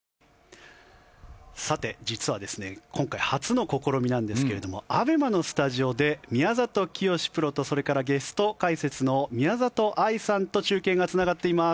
さて実は今回、初の試みなんですけれどもＡＢＥＭＡのスタジオで宮里聖志プロとそれからゲスト解説の宮里藍さんと中継がつながっています。